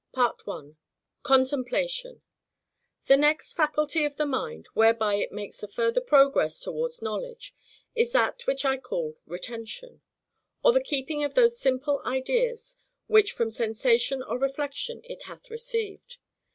1. Contemplation The next faculty of the mind, whereby it makes a further progress towards knowledge, is that which I call RETENTION; or the keeping of those simple ideas which from sensation or reflection it hath received.